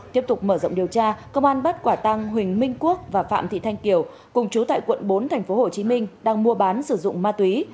tiếp tục mở rộng điều tra công an bắt quả tăng huỳnh minh quốc và phạm thị thanh kiều cùng chú tại quận bốn tp hcm đang mua bán sử dụng ma túy